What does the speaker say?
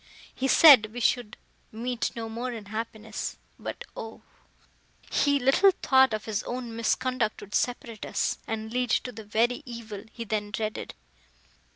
—He said, we should meet no more in happiness; but, O! he little thought his own misconduct would separate us, and lead to the very evil he then dreaded!"